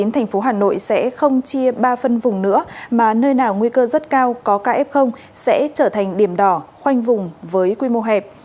thành phố hà nội sẽ không chia ba phân vùng nữa mà nơi nào nguy cơ rất cao có kf sẽ trở thành điểm đỏ khoanh vùng với quy mô hẹp